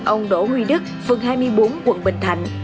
ông đỗ huy đức phương hai mươi bốn quận bình thạnh